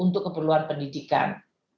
untuk kebutuhan pendidikan